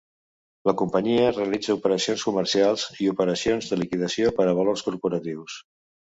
La companyia realitza operacions comercials i operacions de liquidació per a valors corporatius.